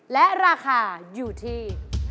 และราคาอยู่ที่